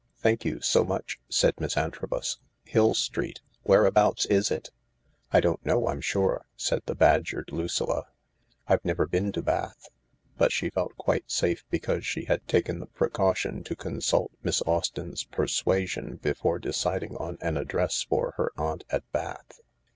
"Thank you so much," said Miss Antrobus. "Hill Street ? Whereabouts is it ?"" I don't know, I'm sure,"said the badgered Lucilla. " I've never been to Bath "; but she felt quite safe because she had taken the precaution to consult Miss Austin's " Persuasion " before deciding on an address for her aunt at Bath.